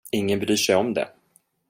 Ingen bryr sig om det.